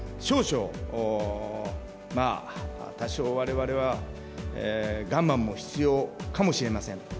少々、多少われわれは我慢も必要かもしれません。